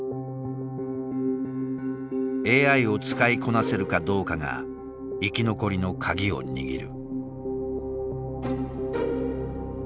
ＡＩを使いこなせるかどうかが生き残りのカギを握る。